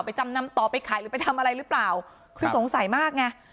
จำนำต่อไปขายหรือไปทำอะไรหรือเปล่าคือสงสัยมากไง